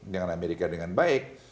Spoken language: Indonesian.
dengan amerika dengan baik